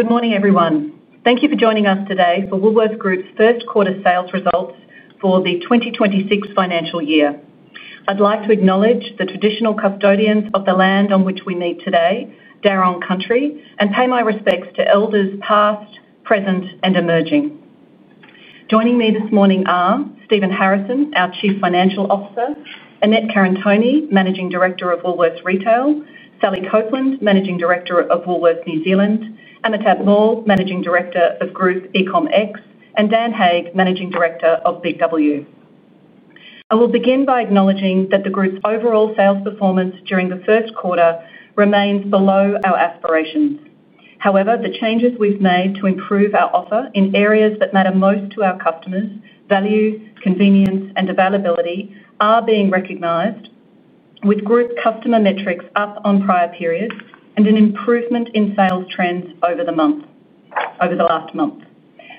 Good morning, everyone. Thank you for joining us today for Woolworths Group's first quarter sales results for the 2026 financial year. I'd like to acknowledge the traditional custodians of the land on which we meet today, Darron Country, and pay my respects to elders past, present, and emerging. Joining me this morning are Stephen Harrison, our Chief Financial Officer, Annette Karantoni, Managing Director of Woolworths Retail, Sally Copland, Managing Director of Woolworths New Zealand, Amitabh Lal, Managing Director of Group eComX, and Dan Hake, Managing Director of BIG W. I will begin by acknowledging that the group's overall sales performance during the first quarter remains below our aspirations. However, the changes we've made to improve our offer in areas that matter most to our customers—value, convenience, and availability—are being recognized, with group customer metrics up on prior periods and an improvement in sales trends over the last month.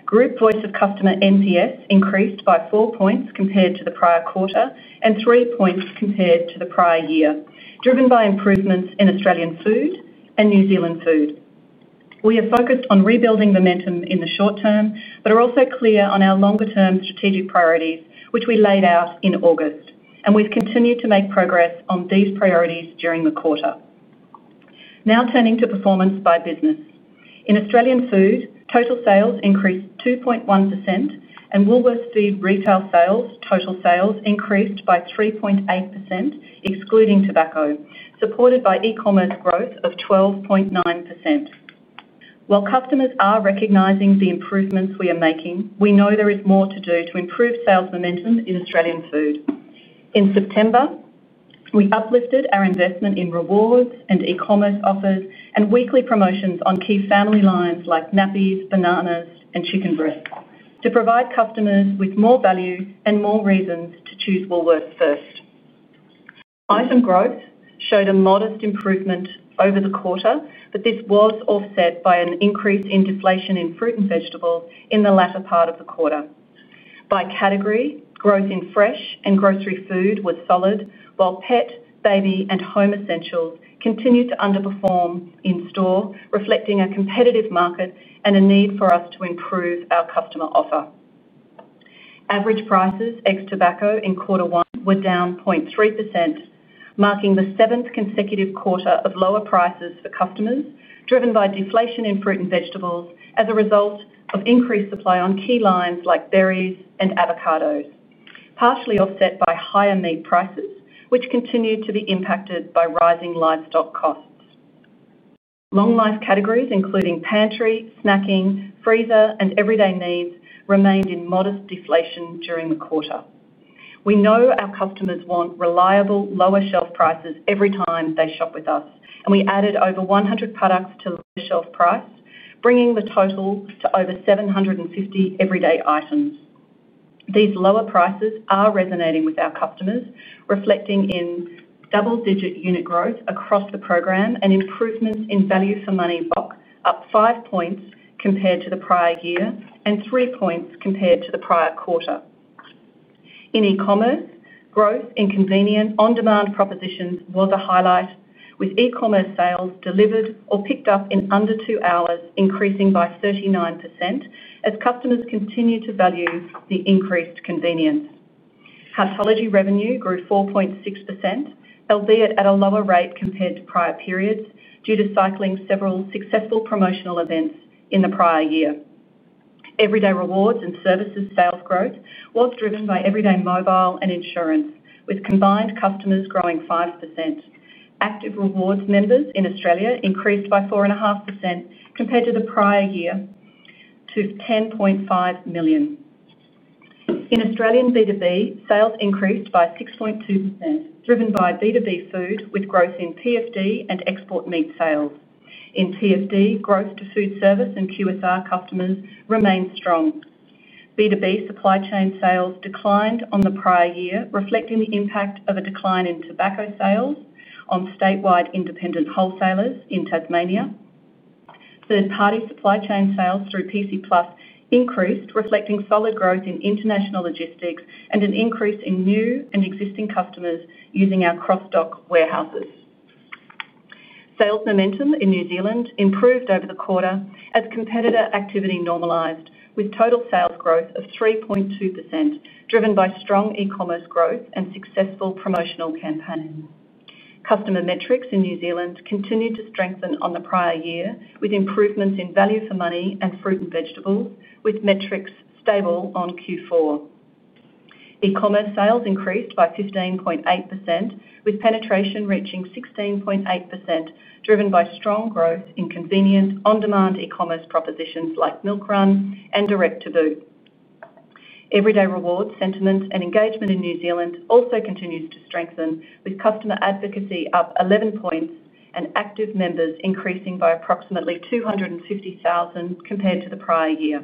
Group Voice of Customer NPS increased by 4 points compared to the prior quarter and 3 points compared to the prior year, driven by improvements in Australian Food and New Zealand food. We are focused on rebuilding momentum in the short term but are also clear on our longer-term strategic priorities, which we laid out in August, and we've continued to make progress on these priorities during the quarter. Now turning to performance by business. In Australian Food, total sales increased 2.1%, and Woolworths Food retail sales—total sales—increased by 3.8%, excluding tobacco, supported by e-commerce growth of 12.9%. While customers are recognizing the improvements we are making, we know there is more to do to improve sales momentum in Australian Food. In September, we uplifted our investment in rewards and e-commerce offers and weekly promotions on key family lines like nappies, bananas, and chicken breasts to provide customers with more value and more reasons to choose Woolworths first. Item growth showed a modest improvement over the quarter, but this was offset by an increase in deflation in fruit and vegetables in the latter part of the quarter. By category, growth in fresh and grocery food was solid, while pet, baby, and home essentials continued to underperform in-store, reflecting a competitive market and a need for us to improve our customer offer. Average prices ex-tobacco in quarter one were down 0.3%, marking the seventh consecutive quarter of lower prices for customers, driven by deflation in fruit and vegetables as a result of increased supply on key lines like berries and avocados, partially offset by higher meat prices, which continued to be impacted by rising livestock costs. Long-life categories, including pantry, snacking, freezer, and everyday needs, remained in modest deflation during the quarter. We know our customers want reliable, lower shelf prices every time they shop with us, and we added over 100 products to lower shelf price, bringing the total to over 750 everyday items. These lower prices are resonating with our customers, reflecting in double-digit unit growth across the program and improvements in value-for-money box, up five points compared to the prior year and three points compared to the prior quarter. In e-commerce, growth in convenient on-demand propositions was a highlight, with e-commerce sales delivered or picked up in under two hours, increasing by 39% as customers continue to value the increased convenience. Pathology revenue grew 4.6%, albeit at a lower rate compared to prior periods due to cycling several successful promotional events in the prior year. Everyday Rewards and services sales growth was driven by Everyday Mobile and insurance, with combined customers growing 5%. Active Rewards members in Australia increased by 4.5% compared to the prior year to 10.5 million. In Australian B2B, sales increased by 6.2%, driven by B2B food, with growth in TFD and export meat sales. In TFD, growth to food service and QSR customers remains strong. B2B supply chain sales declined on the prior year, reflecting the impact of a decline in tobacco sales on statewide independent wholesalers in Tasmania. Third-party supply chain sales through PC+ increased, reflecting solid growth in international logistics and an increase in new and existing customers using our cross-dock warehouses. Sales momentum in New Zealand improved over the quarter as competitor activity normalized, with total sales growth of 3.2%, driven by strong e-commerce growth and successful promotional campaigns. Customer metrics in New Zealand continued to strengthen on the prior year, with improvements in value-for-money and fruit and vegetables, with metrics stable on Q4. E-commerce sales increased by 15.8%, with penetration reaching 16.8%, driven by strong growth in convenient on-demand e-commerce propositions like Milk Run and Direct To Boot. Everyday Rewards, sentiment, and engagement in New Zealand also continues to strengthen, with customer advocacy up 11 points and active members increasing by approximately 250,000 compared to the prior year.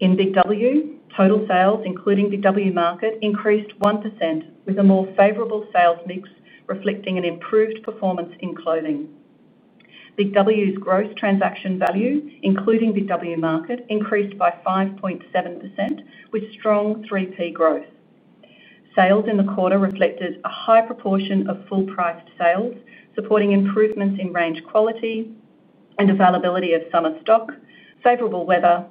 In BIG W, total sales, including BIG W Market, increased 1%, with a more favorable sales mix, reflecting an improved performance in clothing. BIG W's gross transaction value, including BIG W Market, increased by 5.7%, with strong 3P growth. Sales in the quarter reflected a high proportion of full-priced sales, supporting improvements in range quality and availability of summer stock, favorable weather,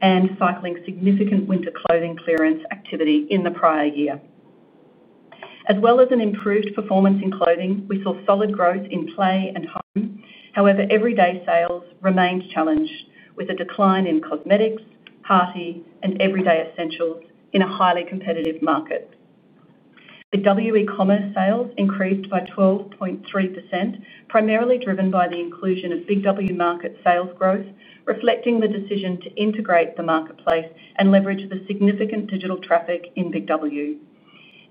and cycling significant winter clothing clearance activity in the prior year. As well as an improved performance in clothing, we saw solid growth in play and home, however, everyday sales remained challenged, with a decline in cosmetics, party, and everyday essentials in a highly competitive market. BIG W e-commerce sales increased by 12.3%, primarily driven by the inclusion of BIG W Market sales growth, reflecting the decision to integrate the marketplace and leverage the significant digital traffic in BIG W.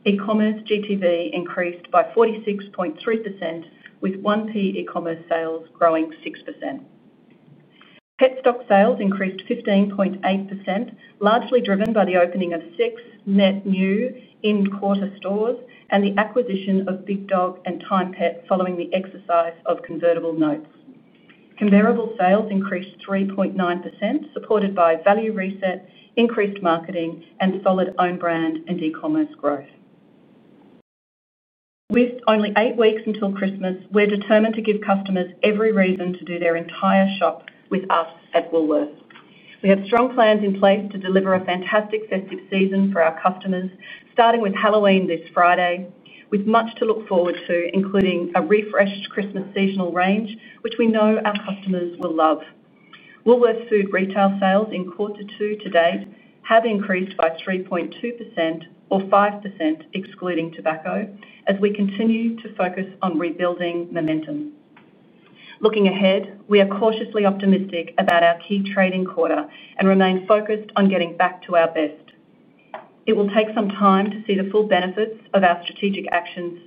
E-commerce GTV increased by 46.3%, with 1P e-commerce sales growing 6%. Petstock sales increased 15.8%, largely driven by the opening of six net new in-quarter stores and the acquisition of Big Dog and Time Pet following the exercise of convertible notes. Convertible sales increased 3.9%, supported by value reset, increased marketing, and solid own brand and e-commerce growth. With only eight weeks until Christmas, we're determined to give customers every reason to do their entire shop with us at Woolworths. We have strong plans in place to deliver a fantastic festive season for our customers, starting with Halloween this Friday, with much to look forward to, including a refreshed Christmas seasonal range, which we know our customers will love. Woolworths Food retail sales in quarter two to date have increased by 3.2%, or 5% excluding tobacco, as we continue to focus on rebuilding momentum. Looking ahead, we are cautiously optimistic about our key trading quarter and remain focused on getting back to our best. It will take some time to see the full benefits of our strategic actions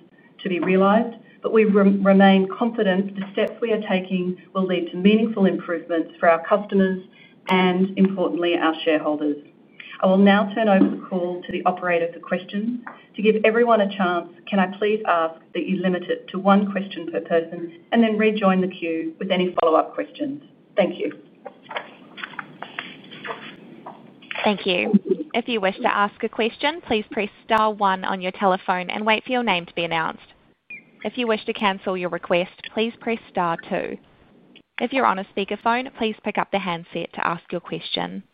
to be realized, but we remain confident the steps we are taking will lead to meaningful improvements for our customers and, importantly, our shareholders. I will now turn over the call to the operator for questions. To give everyone a chance, can I please ask that you limit it to one question per person and then rejoin the queue with any follow-up questions? Thank you. Thank you. If you wish to ask a question, please press star one on your telephone and wait for your name to be announced. If you wish to cancel your request, please press star two. If you're on a speakerphone, please pick up the handset to ask your question.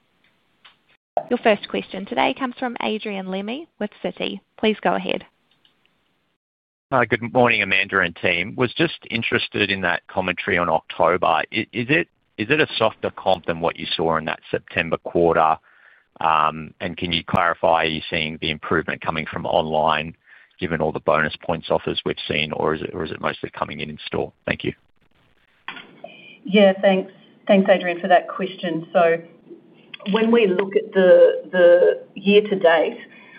Your first question today comes from Adrian Lemme with Citi. Please go ahead. Hi. Good morning, Amanda, and team. Was just interested in that commentary on October. Is it a softer comp than what you saw in that September quarter? Can you clarify, are you seeing the improvement coming from online, given all the bonus points offers we've seen, or is it mostly coming in in-store? Thank you. Yeah, thanks. Thanks, Adrian, for that question. When we look at the year to date,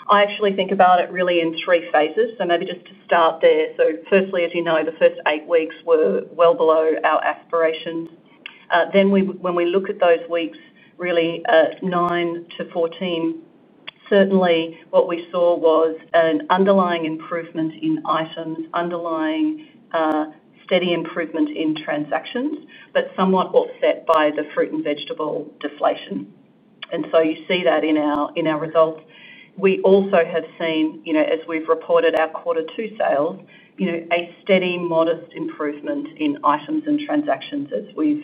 I actually think about it really in three phases. Maybe just to start there. Firstly, as you know, the first eight weeks were well below our aspirations. When we look at those weeks, really, 9-14, certainly what we saw was an underlying improvement in items, underlying steady improvement in transactions, but somewhat offset by the fruit and vegetable deflation. You see that in our results. We also have seen, as we've reported our quarter two sales, a steady, modest improvement in items and transactions as we've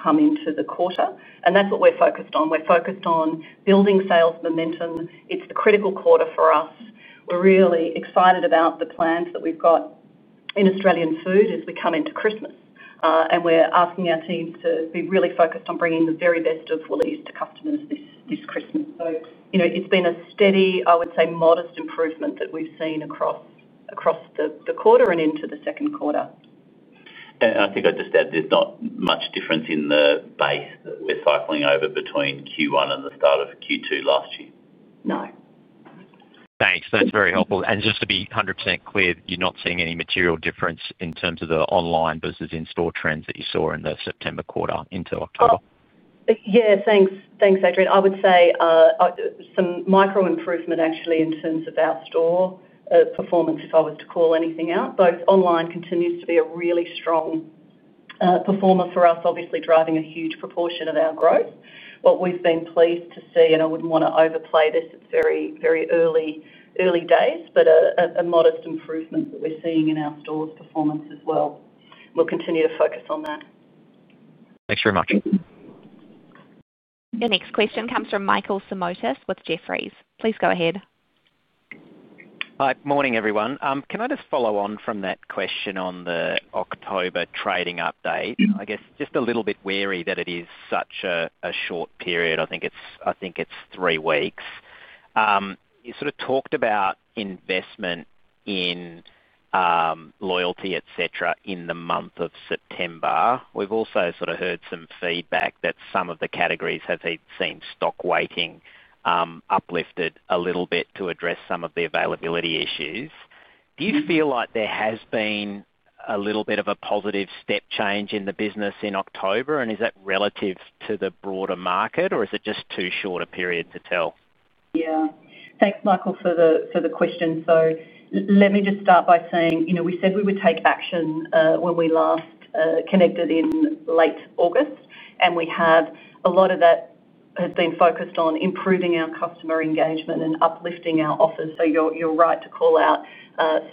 come into the quarter. That's what we're focused on. We're focused on building sales momentum. It's the critical quarter for us. We're really excited about the plans that we've got in Australian Food as we come into Christmas. We're asking our teams to be really focused on bringing the very best of Woolworths to customers this Christmas. It's been a steady, I would say, modest improvement that we've seen across the quarter and into the second quarter. I think I'd just add there's not much difference in the base that we're cycling over between Q1 and the start of Q2 last year? No. Thanks. That's very helpful. Just to be 100% clear, you're not seeing any material difference in terms of the online versus in-store trends that you saw in the September quarter into October? Yeah, thanks. Thanks, Adrian. I would say some micro-improvement, actually, in terms of our store performance, if I was to call anything out. Both online continues to be a really strong performer for us, obviously driving a huge proportion of our growth. What we've been pleased to see, and I wouldn't want to overplay this, it's very, very early days, but a modest improvement that we're seeing in our store's performance as well. We'll continue to focus on that. Thanks very much. Your next question comes from Michael Simotas with Jefferies. Please go ahead. Hi. Morning, everyone. Can I just follow on from that question on the October trading update? I guess just a little bit wary that it is such a short period. I think it's three weeks. You sort of talked about investment in loyalty, etc., in the month of September. We've also sort of heard some feedback that some of the categories have seen stock weighting uplifted a little bit to address some of the availability issues. Do you feel like there has been a little bit of a positive step change in the business in October, and is that relative to the broader market, or is it just too short a period to tell? Yeah. Thanks, Michael, for the question. Let me just start by saying, you know, we said we would take action when we last connected in late August, and a lot of that has been focused on improving our customer engagement and uplifting our offers. You're right to call out,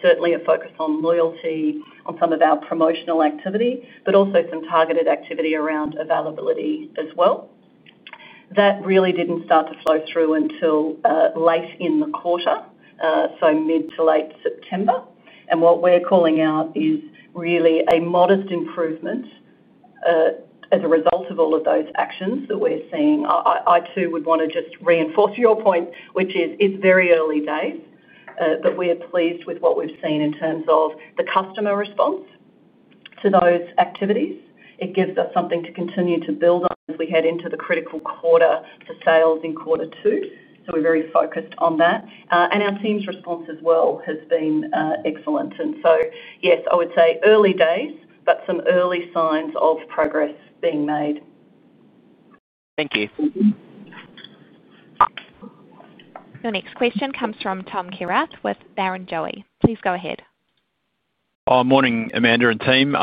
certainly, a focus on loyalty on some of our promotional activity, but also some targeted activity around availability as well. That really didn't start to flow through until late in the quarter, mid to late September. What we're calling out is really a modest improvement as a result of all of those actions that we're seeing. I, too, would want to just reinforce your point, which is it's very early days, but we're pleased with what we've seen in terms of the customer response to those activities. It gives us something to continue to build on as we head into the critical quarter for sales in quarter two. We're very focused on that. Our team's response as well has been excellent. Yes, I would say early days, but some early signs of progress being made. Thank you. Your next question comes from Tom Kierath with Barrenjoey. Please go ahead. Morning, Amanda and team.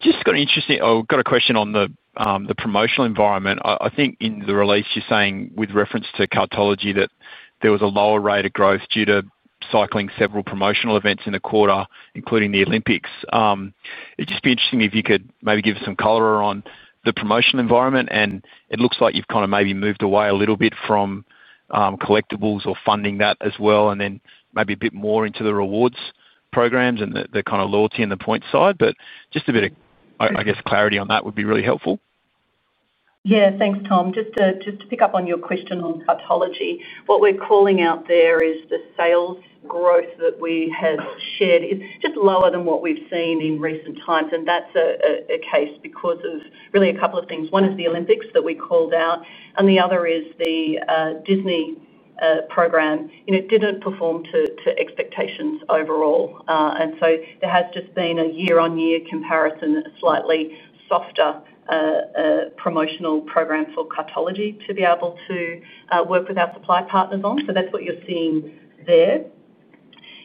Just got an interesting question on the promotional environment. I think in the release, you're saying with reference to Cartology that there was a lower rate of growth due to cycling several promotional events in the quarter, including the Olympics. It'd just be interesting if you could maybe give us some color on the promotional environment. It looks like you've kind of maybe moved away a little bit from collectibles or funding that as well, and then maybe a bit more into the rewards programs and the kind of loyalty and the point side. Just a bit of, I guess, clarity on that would be really helpful. Yeah, thanks, Tom. Just to pick up on your question on Cartology, what we're calling out there is the sales growth that we have shared is just lower than what we've seen in recent times. That's a case because of really a couple of things. One is the Olympics that we called out, and the other is the Disney program. You know, it didn't perform to expectations overall. There has just been a year-on-year comparison, a slightly softer promotional program for Cartology to be able to work with our supply partners on. That's what you're seeing there.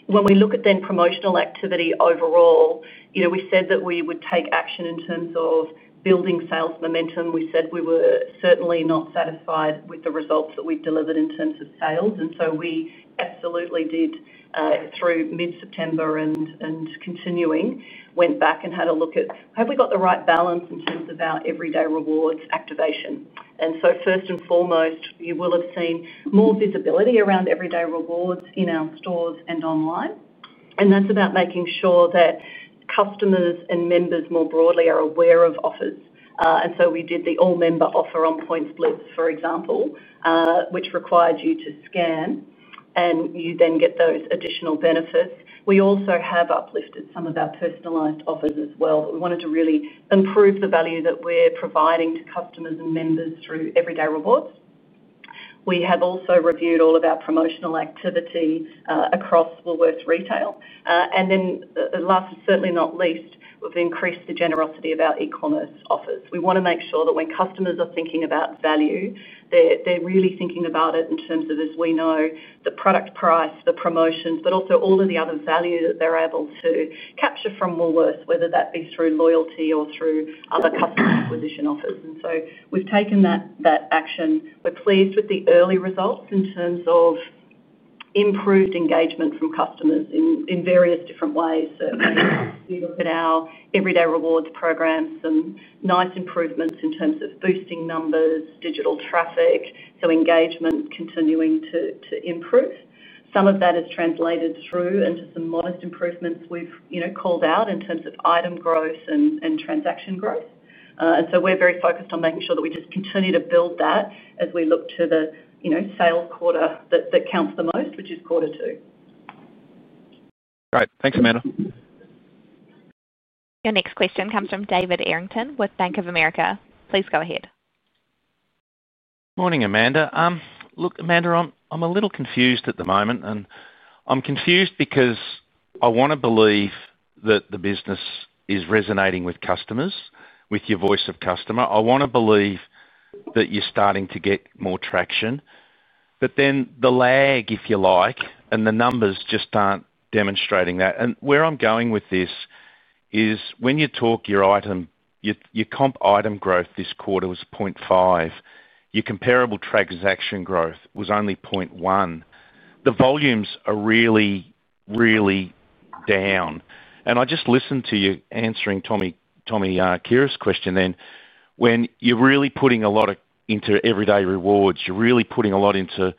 When we look at promotional activity overall, we said that we would take action in terms of building sales momentum. We said we were certainly not satisfied with the results that we delivered in terms of sales. We absolutely did, through mid-September and continuing, went back and had a look at have we got the right balance in terms of our Everyday Rewards activation. First and foremost, you will have seen more visibility around Everyday Rewards in our stores and online. That's about making sure that customers and members more broadly are aware of offers. We did the all-member offer on point splits, for example, which required you to scan, and you then get those additional benefits. We also have uplifted some of our personalized offers as well, but we wanted to really improve the value that we're providing to customers and members through Everyday Rewards. We have also reviewed all of our promotional activity across Woolworths Retail. Last but certainly not least, we've increased the generosity of our e-commerce offers. We want to make sure that when customers are thinking about value, they're really thinking about it in terms of, as we know, the product price, the promotions, but also all of the other value that they're able to capture from Woolworths, whether that be through loyalty or through other customer acquisition offers. We've taken that action. We're pleased with the early results in terms of improved engagement from customers in various different ways. Certainly, we look at our Everyday Rewards programs and nice improvements in terms of boosting numbers, digital traffic, so engagement continuing to improve. Some of that has translated through into some modest improvements we've called out in terms of item growth and transaction growth. We're very focused on making sure that we just continue to build that as we look to the sales quarter that counts the most, which is quarter two. Great. Thanks, Amanda. Your next question comes from David Errington with Bank of America. Please go ahead. Morning, Amanda. Look, Amanda, I'm a little confused at the moment. I'm confused because I want to believe that the business is resonating with customers with your voice of customer. I want to believe that you're starting to get more traction. The lag, if you like, and the numbers just aren't demonstrating that. Where I'm going with this is when you talk your comp item growth this quarter was 0.5%. Your comparable transaction growth was only 0.1%. The volumes are really, really down. I just listened to you answering Tom's question then. You're really putting a lot into Everyday Rewards, you're really putting a lot into,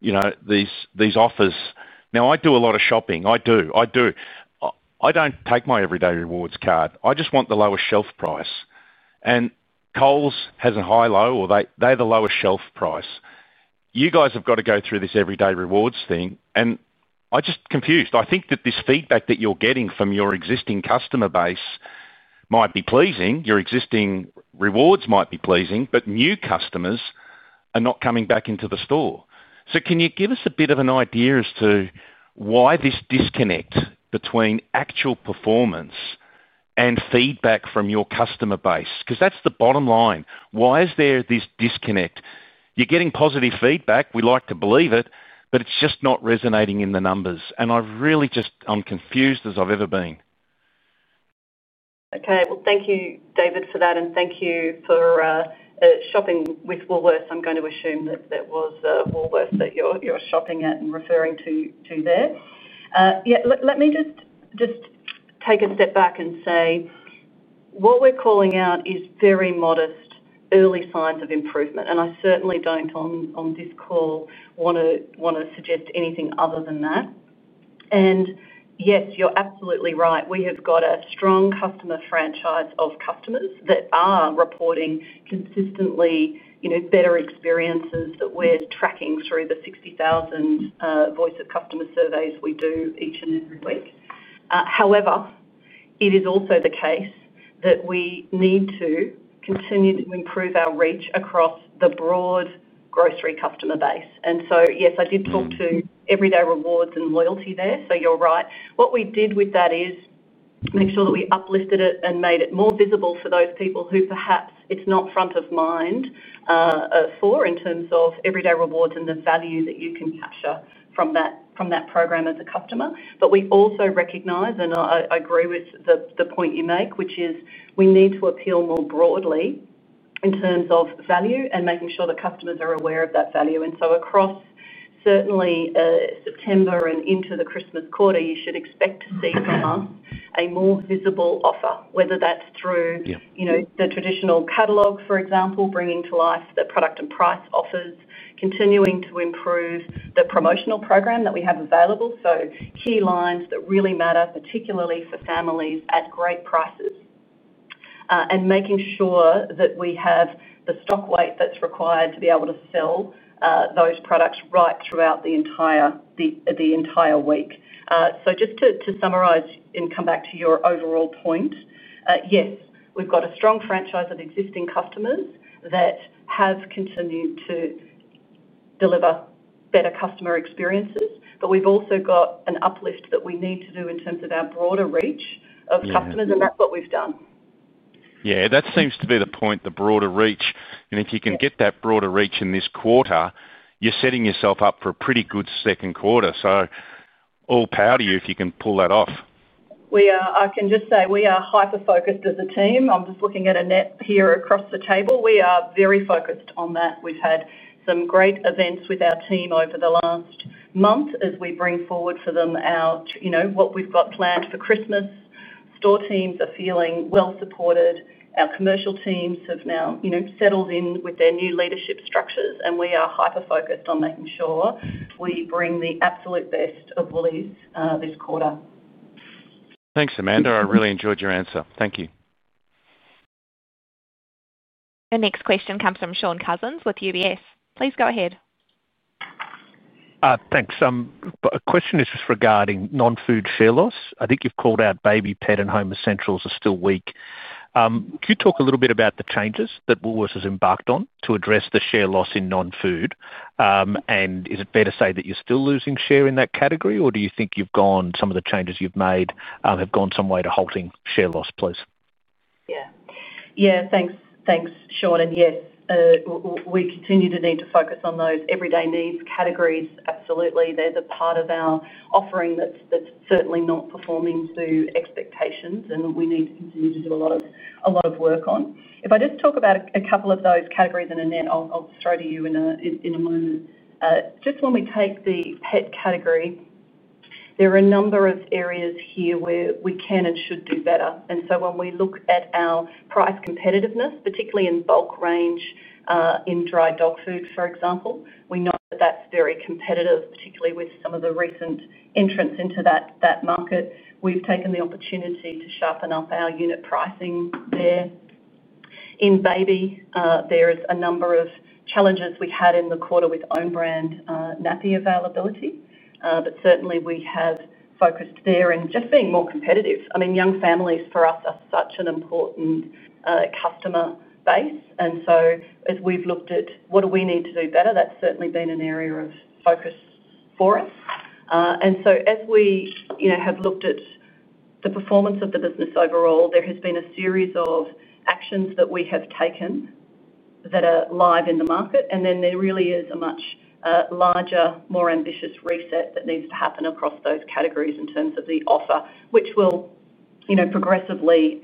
you know, these offers. I do a lot of shopping. I do. I don't take my Everyday Rewards card. I just want the lowest shelf price. Kohl's has a high-low, or they're the lowest shelf price. You guys have got to go through this Everyday Rewards thing. I'm just confused. I think that this feedback that you're getting from your existing customer base might be pleasing. Your existing rewards might be pleasing, but new customers are not coming back into the store. Can you give us a bit of an idea as to why this disconnect between actual performance and feedback from your customer base? That's the bottom line. Why is there this disconnect? You're getting positive feedback. We like to believe it, but it's just not resonating in the numbers. I really just am confused as I've ever been. Thank you, David, for that. Thank you for shopping with Woolworths. I'm going to assume that that was Woolworths that you're shopping at and referring to there. Let me just take a step back and say what we're calling out is very modest early signs of improvement. I certainly don't, on this call, want to suggest anything other than that. Yes, you're absolutely right. We have got a strong customer franchise of customers that are reporting consistently better experiences that we're tracking through the 60,000 voice of customer surveys we do each and every week. However, it is also the case that we need to continue to improve our reach across the broad grocery customer base. Yes, I did talk to Everyday Rewards and loyalty there. You're right. What we did with that is make sure that we uplifted it and made it more visible for those people who perhaps it's not front of mind for in terms of Everyday Rewards and the value that you can capture from that program as a customer. We also recognize, and I agree with the point you make, which is we need to appeal more broadly in terms of value and making sure that customers are aware of that value. Across, certainly, September and into the Christmas quarter, you should expect to see from us a more visible offer, whether that's through the traditional catalog, for example, bringing to life the product and price offers, continuing to improve the promotional program that we have available. Key lines that really matter, particularly for families at great prices, and making sure that we have the stock weight that's required to be able to sell those products right throughout the entire week. Just to summarize and come back to your overall point, yes, we've got a strong franchise of existing customers that have continued to deliver better customer experiences, but we've also got an uplift that we need to do in terms of our broader reach of customers. That's what we've done. Yeah, that seems to be the point, the broader reach. If you can get that broader reach in this quarter, you're setting yourself up for a pretty good second quarter. All power to you if you can pull that off. We are. I can just say we are hyper-focused as a team. I'm just looking at Annette here across the table. We are very focused on that. We've had some great events with our team over the last month as we bring forward for them what we've got planned for Christmas. Store teams are feeling well supported. Our commercial teams have now settled in with their new leadership structures. We are hyper-focused on making sure we bring the absolute best of Woolworths this quarter. Thanks, Amanda. I really enjoyed your answer. Thank you. Your next question comes from Shaun Cousins with UBS. Please go ahead. Thanks. A question is just regarding non-food share loss. I think you've called out baby, pet, and home essentials are still weak. Could you talk a little bit about the changes that Woolworths has embarked on to address the share loss in non-food? Is it fair to say that you're still losing share in that category, or do you think some of the changes you've made have gone some way to halting share loss, please? Yeah, thanks, thanks, Shaun. Yes, we continue to need to focus on those everyday needs categories. Absolutely. They're the part of our offering that's certainly not performing to expectations, and we need to continue to do a lot of work on. If I just talk about a couple of those categories in a minute, I'll throw to you in a moment. When we take the pet category, there are a number of areas here where we can and should do better. When we look at our price competitiveness, particularly in bulk range in dry dog food, for example, we know that that's very competitive, particularly with some of the recent entrants into that market. We've taken the opportunity to sharpen up our unit pricing there. In baby, there are a number of challenges we had in the quarter with own brand nappy availability. Certainly, we have focused there and just being more competitive. I mean, young families for us are such an important customer base. As we've looked at what do we need to do better, that's certainly been an area of focus for us. As we have looked at the performance of the business overall, there has been a series of actions that we have taken that are live in the market. There really is a much larger, more ambitious reset that needs to happen across those categories in terms of the offer, which will, you know, progressively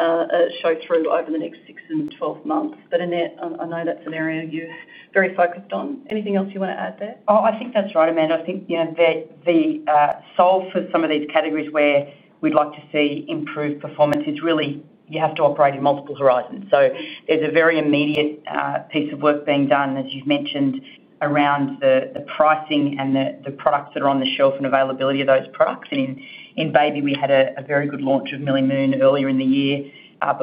show through over the next 6 and 12 months. Annette, I know that's an area you're very focused on. Anything else you want to add there? Oh, I think that's right, Amanda. I think the sole for some of these categories where we'd like to see improved performance is really you have to operate in multiple horizons. There's a very immediate piece of work being done, as you've mentioned, around the pricing and the products that are on the shelf and availability of those products. In baby, we had a very good launch of Millie Moon earlier in the year.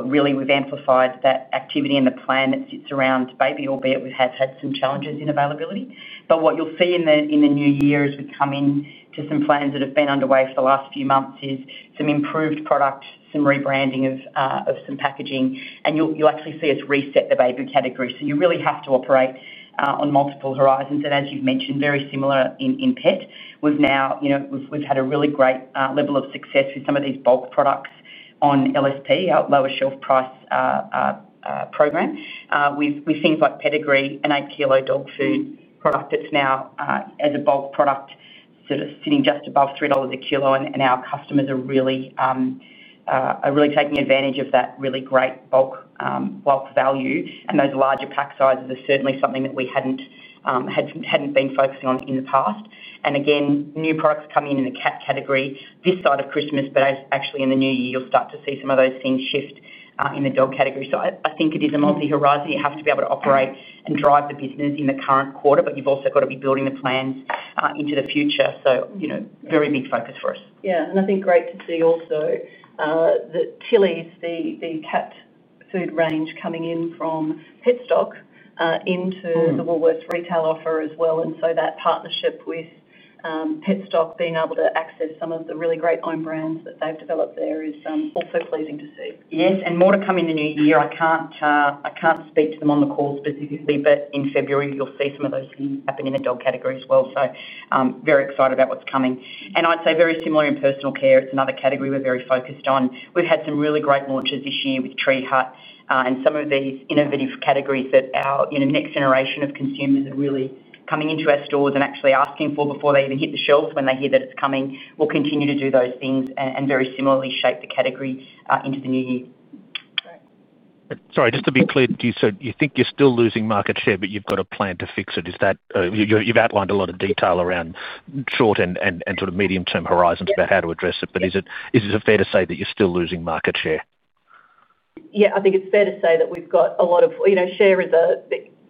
We've amplified that activity and the plan that sits around baby, albeit we have had some challenges in availability. What you'll see in the new year as we come into some plans that have been underway for the last few months is some improved product, some rebranding of some packaging. You'll actually see us reset the baby category. You really have to operate on multiple horizons. As you've mentioned, very similar in pet, we've had a really great level of success with some of these bulk products on LSP, our lower shelf price program, with things like Pedigree and 8 kilo dog food product that's now as a bulk product sort of sitting just above $3 a kilo. Our customers are really taking advantage of that really great bulk value. Those larger pack sizes are certainly something that we hadn't been focusing on in the past. New products coming in in the cat category this side of Christmas, actually in the new year, you'll start to see some of those things shift in the dog category. I think it is a multi-horizon. You have to be able to operate and drive the business in the current quarter, but you've also got to be building the plans into the future. Very big focus for us. Yeah. I think great to see also that Tilly's, the cat food range coming in from Petstock into the Woolworths Retail offer as well. That partnership with Petstock, being able to access some of the really great own brands that they've developed there, is also pleasing to see. Yes, more to come in the new year. I can't speak to them on the call specifically, but in February, you'll see some of those things happen in the dog category as well. Very excited about what's coming. I'd say very similar in personal care. It's another category we're very focused on. We've had some really great launches this year with Tree Hut and some of these innovative categories that our next generation of consumers are really coming into our stores and actually asking for before they even hit the shelves when they hear that it's coming. We'll continue to do those things and very similarly shape the category into the new year. Sorry, just to be clear, you said you think you're still losing market share, but you've got a plan to fix it. You've outlined a lot of detail around short and sort of medium-term horizons about how to address it. Is it fair to say that you're still losing market share? Yeah, I think it's fair to say that we've got a lot of, you know, share is a,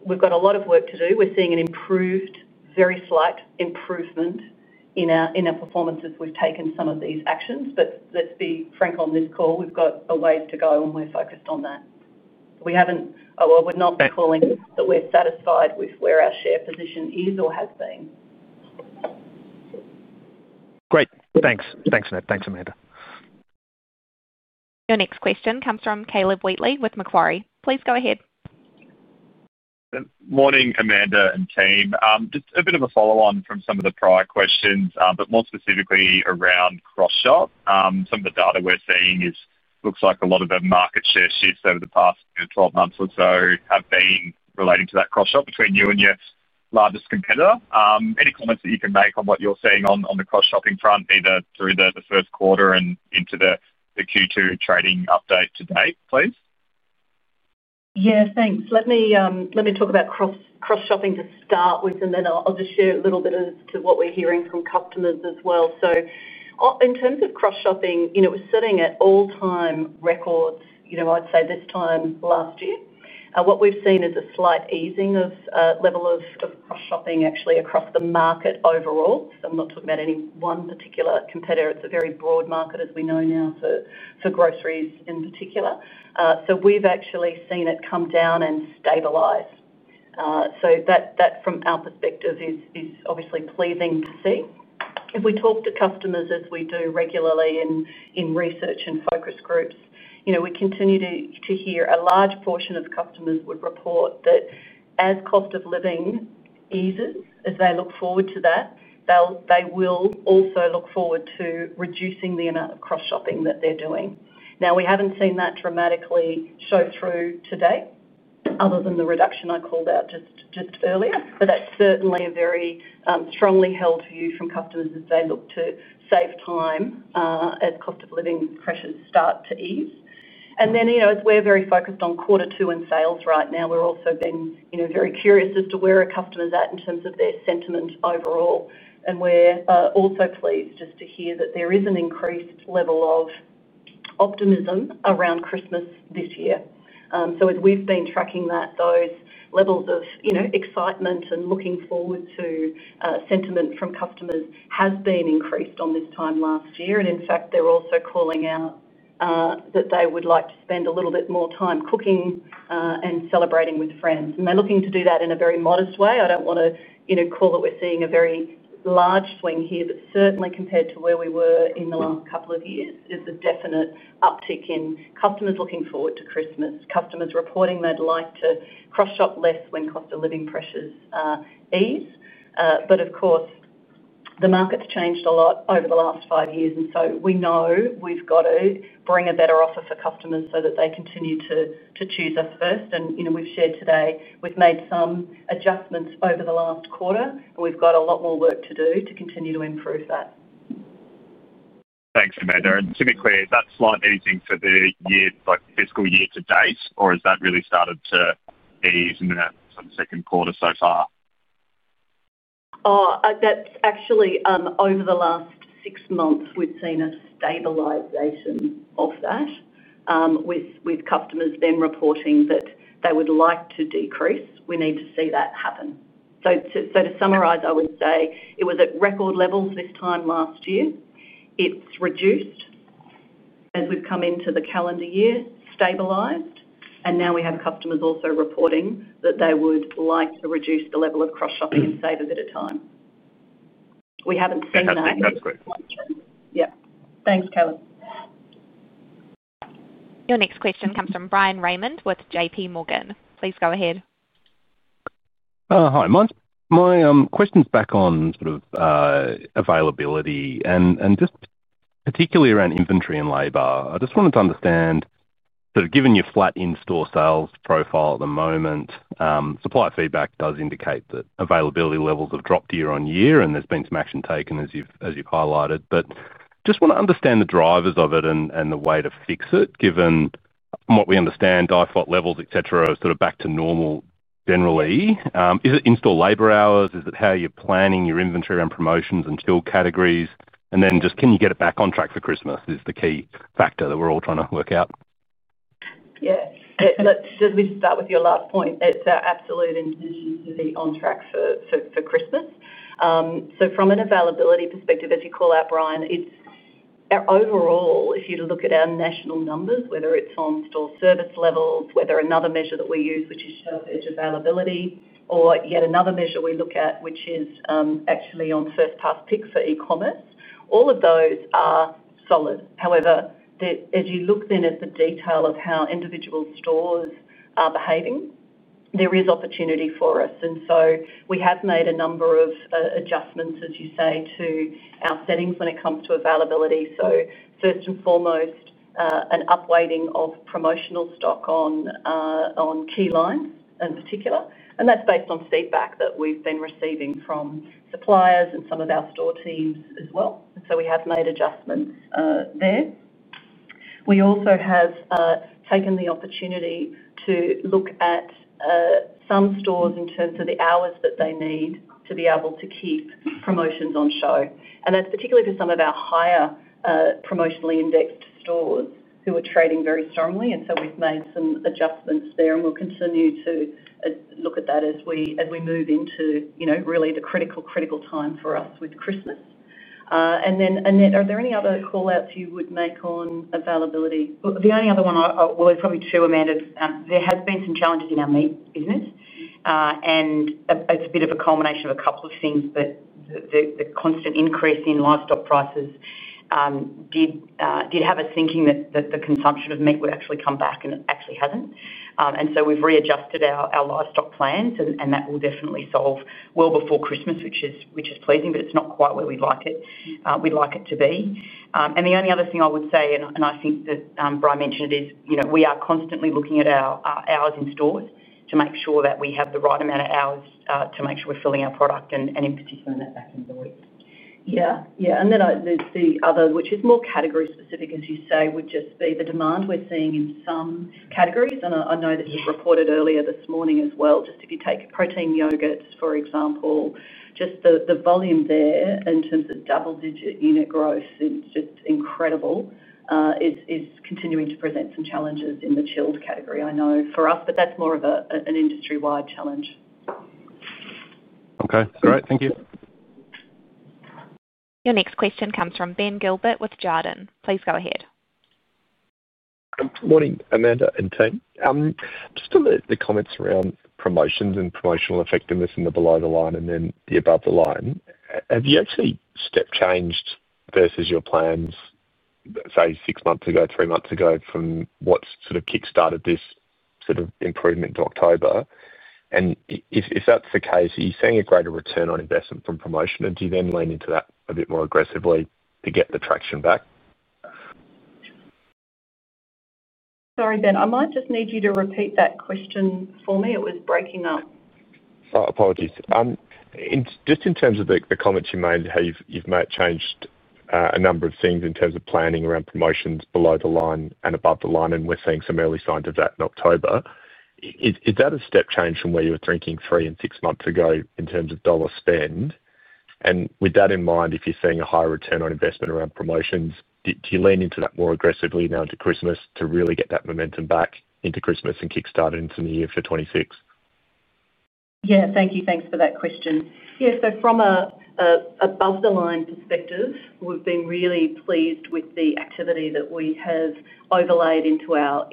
we've got a lot of work to do. We're seeing an improved, very slight improvement in our performance as we've taken some of these actions. Let's be frank on this call. We've got a ways to go, and we're focused on that. We haven't, oh, we're not calling that we're satisfied with where our share position is or has been. Great. Thanks, Annette. Thanks, Amanda. Your next question comes from Caleb Wheatley with Macquarie. Please go ahead. Morning, Amanda and team. Just a bit of a follow-on from some of the prior questions, but more specifically around cross-shop. Some of the data we're seeing is it looks like a lot of the market share shifts over the past 12 months or so have been relating to that cross-shop between you and your largest competitor. Any comments that you can make on what you're seeing on the cross-shopping front, either through the first quarter and into the Q2 trading update today, please. Yeah, thanks. Let me talk about cross-shopping to start with, and then I'll just share a little bit as to what we're hearing from customers as well. In terms of cross-shopping, it was sitting at all-time records, I'd say this time last year. What we've seen is a slight easing of the level of cross-shopping actually across the market overall. I'm not talking about any one particular competitor. It's a very broad market, as we know now, for groceries in particular. We've actually seen it come down and stabilize. That, from our perspective, is obviously pleasing to see. If we talk to customers, as we do regularly in research and focus groups, we continue to hear a large portion of customers would report that as cost of living eases, as they look forward to that, they will also look forward to reducing the amount of cross-shopping that they're doing. We haven't seen that dramatically show through today, other than the reduction I called out just earlier. That's certainly a very strongly held view from customers as they look to save time as cost of living pressures start to ease. We're very focused on quarter two and sales right now. We're also being very curious as to where a customer's at in terms of their sentiment overall. We're also pleased just to hear that there is an increased level of optimism around Christmas this year. As we've been tracking that, those levels of excitement and looking forward to sentiment from customers have been increased on this time last year. In fact, they're also calling out that they would like to spend a little bit more time cooking and celebrating with friends. They're looking to do that in a very modest way. I don't want to call that we're seeing a very large swing here, but certainly compared to where we were in the last couple of years, there's a definite uptick in customers looking forward to Christmas, customers reporting they'd like to cross-shop less when cost of living pressures ease. Of course, the market's changed a lot over the last five years. We know we've got to bring a better offer for customers so that they continue to choose us first. We've shared today we've made some adjustments over the last quarter, and we've got a lot more work to do to continue to improve that. Thanks, Amanda. To be clear, is that slight easing for the year, like the fiscal year to date, or has that really started to ease in the second quarter so far? That's actually over the last six months, we've seen a stabilization of that, with customers then reporting that they would like to decrease. We need to see that happen. To summarize, I would say it was at record levels this time last year. It's reduced as we've come into the calendar year, stabilized, and now we have customers also reporting that they would like to reduce the level of cross-shopping and save a bit of time. We haven't seen that. Thanks, Amanda. Yeah, thanks, Caleb. Your next question comes from Bryan Raymond with JPMorgan. Please go ahead. Hi. My question's back on sort of availability and just particularly around inventory and labor. I just wanted to understand, sort of given your flat in-store sales profile at the moment, supply feedback does indicate that availability levels have dropped year on year, and there's been some action taken, as you've highlighted. I just want to understand the drivers of it and the way to fix it, given what we understand, die-fought levels, etc., are sort of back to normal generally. Is it in-store labor hours? Is it how you're planning your inventory and promotions and fill categories? Can you get it back on track for Christmas is the key factor that we're all trying to work out. Yeah. Let's just start with your last point. It's our absolute intention to be on track for Christmas. From an availability perspective, as you call out, Bryan, it's our overall, if you look at our national numbers, whether it's on store service levels, whether another measure that we use, which is shelf edge availability, or yet another measure we look at, which is actually on first-pass pick for e-commerce, all of those are solid. However, as you look at the detail of how individual stores are behaving, there is opportunity for us. We have made a number of adjustments, as you say, to our settings when it comes to availability. First and foremost, an upweighting of promotional stock on key lines in particular. That's based on feedback that we've been receiving from suppliers and some of our store teams as well. We have made adjustments there. We also have taken the opportunity to look at some stores in terms of the hours that they need to be able to keep promotions on show. That's particularly for some of our higher promotionally indexed stores who are trading very strongly. We've made some adjustments there, and we'll continue to look at that as we move into, you know, really the critical, critical time for us with Christmas. Annette, are there any other callouts you would make on availability? The only other one I will probably chew, Amanda, is there have been some challenges in our meat business. It's a bit of a culmination of a couple of things, but the constant increase in livestock prices did have us thinking that the consumption of meat would actually come back, and it actually hasn't. We've readjusted our livestock plans, and that will definitely solve well before Christmas, which is pleasing, but it's not quite where we'd like it to be. The only other thing I would say, and I think that Bryan mentioned it, is, you know, we are constantly looking at our hours in stores to make sure that we have the right amount of hours to make sure we're filling our product, and in particular, in that back in the week. Yeah. The other, which is more category specific, as you say, would just be the demand we're seeing in some categories. I know that you've reported earlier this morning as well, just if you take protein yogurts, for example, just the volume there in terms of double-digit unit growth, it's just incredible, is continuing to present some challenges in the chilled category, I know, for us. That's more of an industry-wide challenge. Okay. Great. Thank you. Your next question comes from Ben Gilbert with Jarden. Please go ahead. Morning, Amanda and team. Just on the comments around promotions and promotional effectiveness in the below-the-line and then the above-the-line, have you actually step changed vs your plans, say, six months ago or three months ago, from what sort of kickstarted this sort of improvement in October? If that's the case, are you seeing a greater return on investment from promotion, and do you then lean into that a bit more aggressively to get the traction back? Sorry, Ben. I might just need you to repeat that question for me. It was breaking up. Oh, apologies. Just in terms of the comments you made, how you've changed a number of things in terms of planning around promotions below the line and above the line, and we're seeing some early signs of that in October. Is that a step change from where you were thinking three and six months ago in terms of dollar spend? If you're seeing a higher return on investment around promotions, do you lean into that more aggressively now into Christmas to really get that momentum back into Christmas and kickstart it into the new year for 2026? Thank you. Thanks for that question. From an above-the-line perspective, we've been really pleased with the activity that we have overlaid into our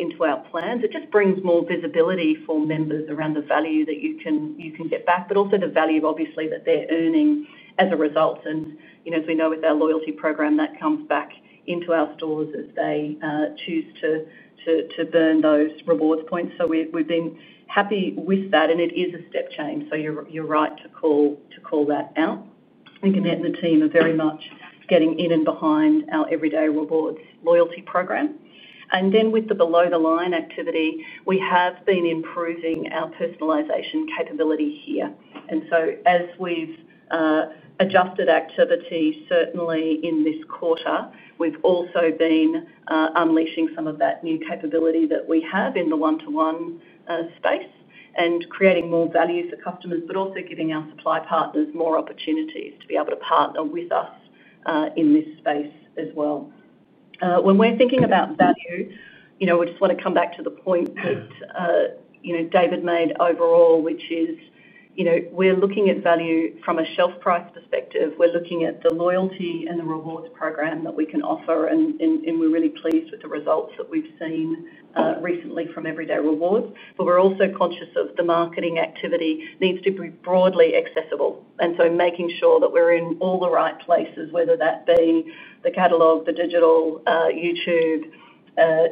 plans. It just brings more visibility for members around the value that you can get back, but also the value, obviously, that they're earning as a result. As we know with our loyalty program, that comes back into our stores as they choose to burn those rewards points. We've been happy with that. It is a step change. You're right to call that out. I think Annette and the team are very much getting in and behind our Everyday Rewards loyalty program. With the below-the-line activity, we have been improving our personalization capability here. As we've adjusted activity, certainly in this quarter, we've also been unleashing some of that new capability that we have in the one-to-one space and creating more value for customers, but also giving our supply partners more opportunities to be able to partner with us in this space as well. When we're thinking about value, I just want to come back to the point that David made overall, which is, we're looking at value from a shelf price perspective. We're looking at the loyalty and the rewards program that we can offer, and we're really pleased with the results that we've seen recently from Everyday Rewards. We're also conscious the marketing activity needs to be broadly accessible. Making sure that we're in all the right places, whether that be the catalog, the digital, YouTube,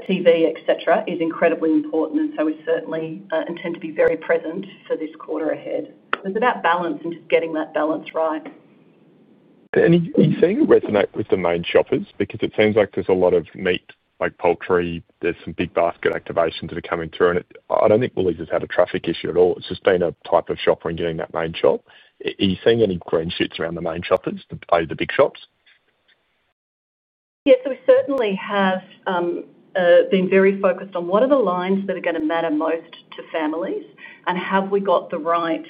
TV, etc., is incredibly important. We certainly intend to be very present for this quarter ahead. It's about balance and just getting that balance right. Are you seeing it resonate with the main shoppers? It seems like there's a lot of meat, like poultry. There are some big basket activations that are coming through. I don't think Woolworths has had a traffic issue at all. It's just been a type of shop when you're in that main shop. Are you seeing any grain shifts around the main shoppers, the big shops? Yeah, we certainly have been very focused on what are the lines that are going to matter most to families. Have we got the right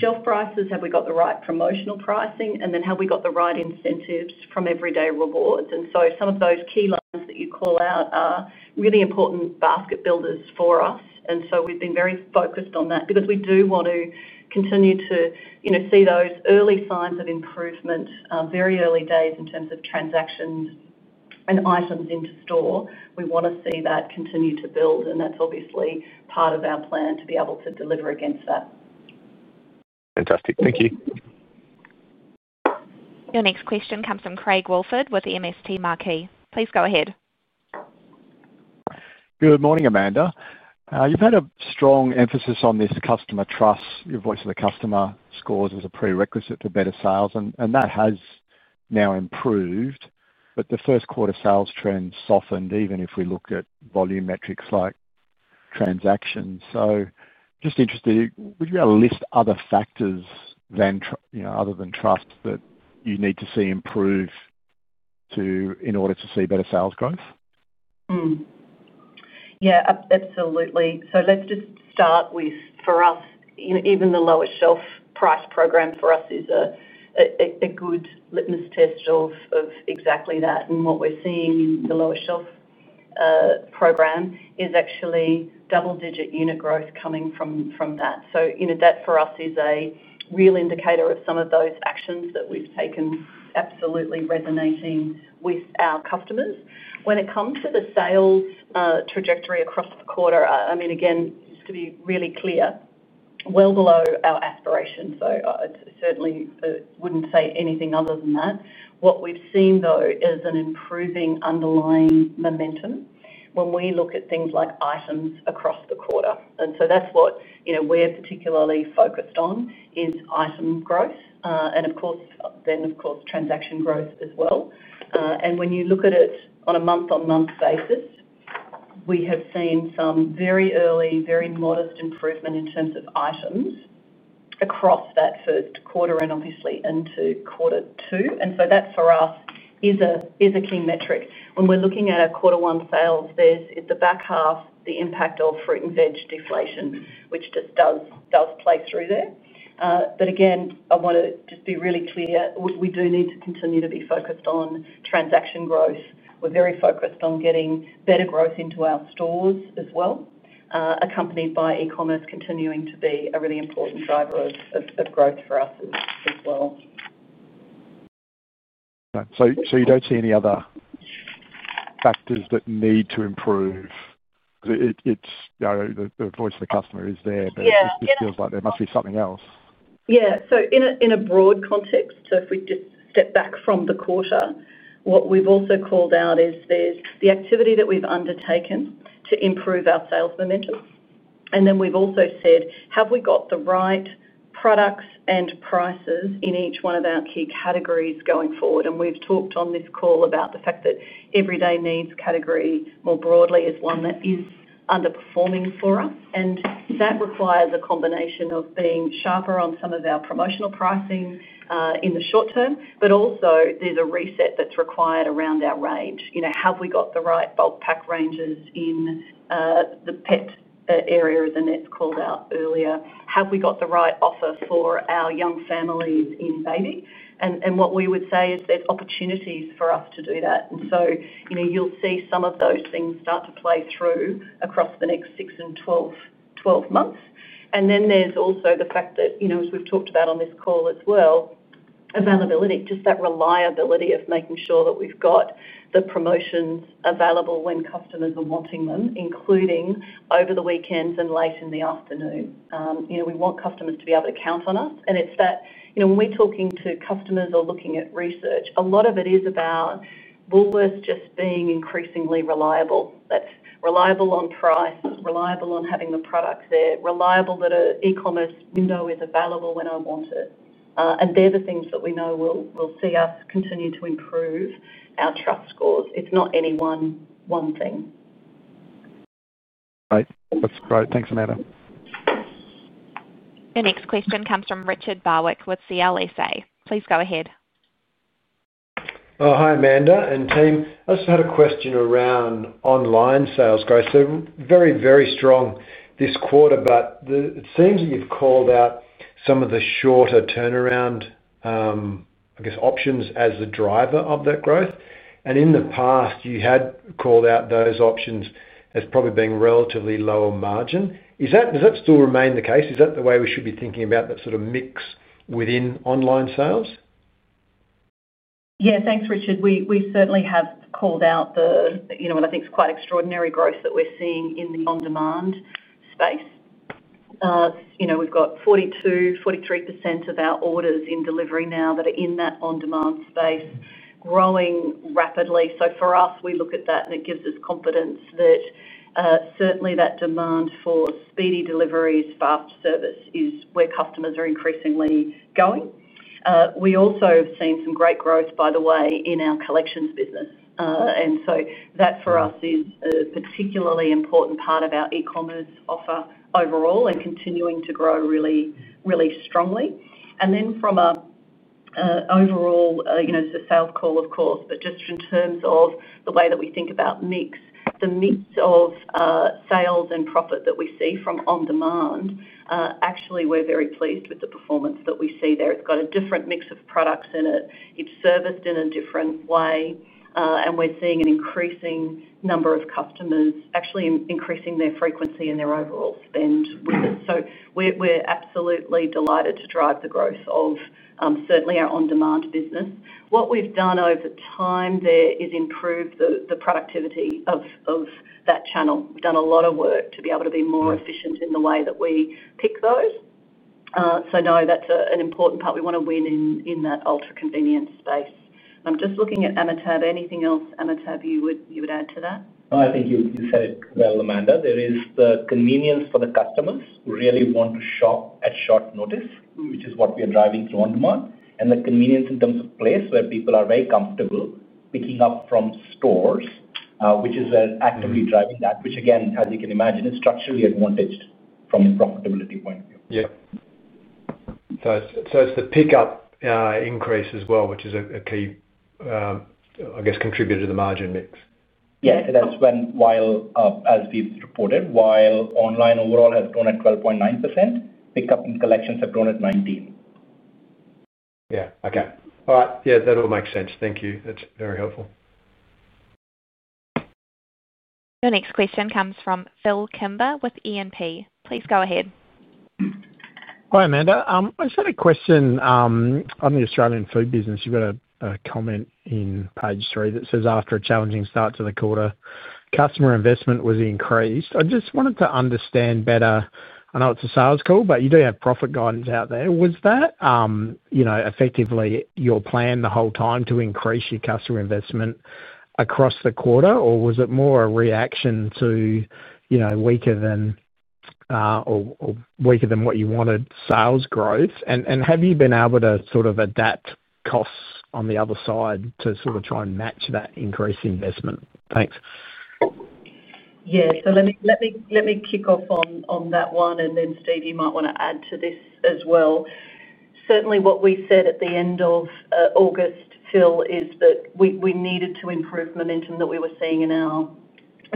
shelf prices? Have we got the right promotional pricing? Have we got the right incentives from Everyday Rewards? Some of those key lines that you call out are really important basket builders for us. We have been very focused on that because we do want to continue to see those early signs of improvement. Very early days in terms of transactions and items into store. We want to see that continue to build, and that's obviously part of our plan to be able to deliver against that. Fantastic. Thank you. Your next question comes from Craig Woolford with MST Marquee. Please go ahead. Good morning, Amanda. You've had a strong emphasis on this customer trust. Your voice of the customer scores as a prerequisite for better sales, and that has now improved. The first quarter sales trends softened, even if we look at volume metrics like transactions. I'm just interested, would you be able to list other factors, other than trust, that you need to see improve in order to see better sales growth? Yeah, absolutely. Let's just start with, for us, even the lowest shelf price program for us is a good litmus test of exactly that. What we're seeing in the lowest shelf program is actually double-digit unit growth coming from that. That for us is a real indicator of some of those actions that we've taken absolutely resonating with our customers. When it comes to the sales trajectory across the quarter, just to be really clear, well below our aspiration. I certainly wouldn't say anything other than that. What we've seen, though, is an improving underlying momentum when we look at things like items across the quarter. That's what we're particularly focused on, item growth, and of course, transaction growth as well. When you look at it on a month-on-month basis, we have seen some very early, very modest improvement in terms of items across that first quarter and obviously into quarter two. That for us is a key metric. When we're looking at our quarter one sales, there's the back half, the impact of fruit and veg deflation, which just does play through there. Again, I want to just be really clear, we do need to continue to be focused on transaction growth. We're very focused on getting better growth into our stores as well, accompanied by e-commerce continuing to be a really important driver of growth for us as well. Do you see any other factors that need to improve? It's, you know, the voice of the customer is there, but it just feels like there must be something else. Yeah. In a broad context, if we just step back from the quarter, what we've also called out is there's the activity that we've undertaken to improve our sales momentum. We've also said, have we got the right products and prices in each one of our key categories going forward? We've talked on this call about the fact that everyday needs category more broadly is one that is underperforming for us. That requires a combination of being sharper on some of our promotional pricing in the short term, but also there's a reset that's required around our range. You know, have we got the right bulk pack ranges in the pet area, as Annette called out earlier? Have we got the right offer for our young families in baby? What we would say is there's opportunities for us to do that. You know, you'll see some of those things start to play through across the next 6 and 12 months. There's also the fact that, as we've talked about on this call as well, availability, just that reliability of making sure that we've got the promotions available when customers are wanting them, including over the weekends and late in the afternoon. We want customers to be able to count on us. It's that, you know, when we're talking to customers or looking at research, a lot of it is about Woolworths just being increasingly reliable. That's reliable on price, reliable on having the products there, reliable that an e-commerce window is available when I want it. They're the things that we know will see us continue to improve our trust scores. It's not any one thing. That's great. Thanks, Amanda. Your next question comes from Richard Barwick with CLSA. Please go ahead. Hi, Amanda and team. I just had a question around online sales growth. Very, very strong this quarter, but it seems that you've called out some of the shorter turnaround, I guess, options as the driver of that growth. In the past, you had called out those options as probably being relatively lower margin. Does that still remain the case? Is that the way we should be thinking about that sort of mix within online sales? Yeah, thanks, Richard. We certainly have called out what I think is quite extraordinary growth that we're seeing in the on-demand space. We've got 42%, 43% of our orders in delivery now that are in that on-demand space, growing rapidly. For us, we look at that, and it gives us confidence that certainly that demand for speedy deliveries, fast service is where customers are increasingly going. We also have seen some great growth, by the way, in our collections business. That for us is a particularly important part of our e-commerce offer overall and continuing to grow really, really strongly. From an overall, you know, it's a sales call, of course, but just in terms of the way that we think about mix, the mix of sales and profit that we see from on-demand, actually, we're very pleased with the performance that we see there. It's got a different mix of products in it. It's serviced in a different way. We're seeing an increasing number of customers actually increasing their frequency and their overall spend with it. We're absolutely delighted to drive the growth of certainly our on-demand business. What we've done over time there is improve the productivity of that channel. We've done a lot of work to be able to be more efficient in the way that we pick those. That's an important part. We want to win in that ultra-convenient space. I'm just looking at Amitabh. Anything else, Amitabh, you would add to that? I think you said it well, Amanda. There is the convenience for the customers who really want to shop at short notice, which is what we are driving through on-demand. The convenience in terms of place where people are very comfortable picking up from stores is where it's actively driving that, which again, as you can imagine, is structurally advantaged from a profitability point of view. Yeah, it's the pickup increase as well, which is a key, I guess, contributor to the margin mix? Yeah, that's when, as we've reported, while online overall has grown at 12.9%, pickup and collections have grown at 19%. Yeah. Okay. All right. Yeah, that all makes sense. Thank you. That's very helpful. Your next question comes from Phillip Kimber with E&P Financial Group Limited. Please go ahead. Hi, Amanda. I just had a question on the Australian Food business. You've got a comment on page three that says, "After a challenging start to the quarter, customer investment was increased." I just wanted to understand better. I know it's a sales call, but you do have profit guidance out there. Was that, you know, effectively your plan the whole time to increase your customer investment across the quarter, or was it more a reaction to, you know, weaker than or weaker than what you wanted sales growth? Have you been able to sort of adapt costs on the other side to sort of try and match that increased investment? Thanks. Let me kick off on that one. Steve, you might want to add to this as well. Certainly, what we said at the end of August, Phil, is that we needed to improve momentum that we were seeing in our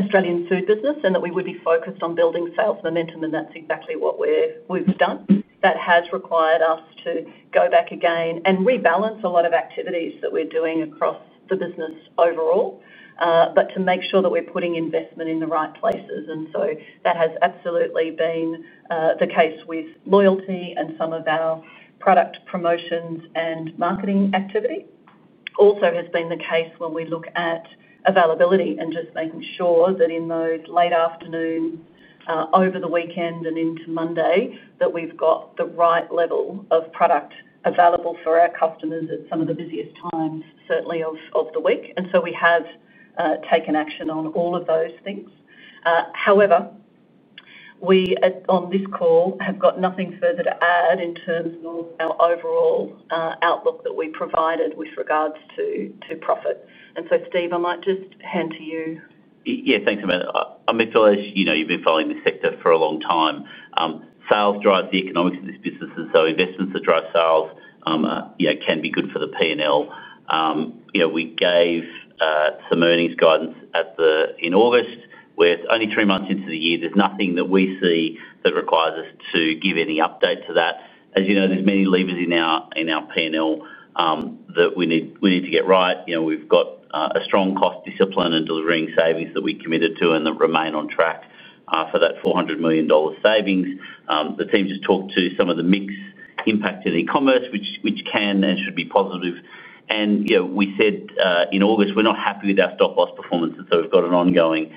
Australian Food business and that we would be focused on building sales momentum. That's exactly what we've done. That has required us to go back again and rebalance a lot of activities that we're doing across the business overall, to make sure that we're putting investment in the right places. That has absolutely been the case with loyalty and some of our product promotions and marketing activity. It also has been the case when we look at availability and just making sure that in those late afternoons over the weekend and into Monday that we've got the right level of product available for our customers at some of the busiest times of the week. We have taken action on all of those things. However, we on this call have got nothing further to add in terms of our overall outlook that we provided with regards to profit. Steve, I might just hand to you. Yeah, thanks, Amanda. I mean, Phil, as you know, you've been following this sector for a long time. Sales drive the economics of this business, and investments that drive sales can be good for the P&L. You know, we gave some earnings guidance in August. We're only three months into the year. There's nothing that we see that requires us to give any update to that. As you know, there are many levers in our P&L that we need to get right. We've got a strong cost discipline and are delivering savings that we committed to and that remain on track for that $400 million savings. The team just talked to some of the mix impact in e-commerce, which can and should be positive. We said in August we're not happy with our stock loss performance, and we've got an ongoing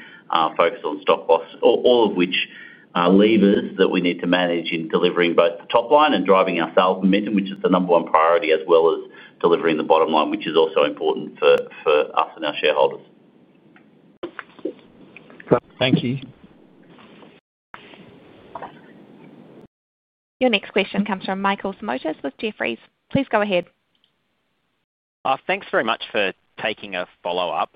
focus on stock loss, all of which are levers that we need to manage in delivering both the top line and driving our sales momentum, which is the number one priority, as well as delivering the bottom line, which is also important for us and our shareholders. Thank you. Your next question comes from Michael Simotas with Jefferies. Please go ahead. Thanks very much for taking a follow-up.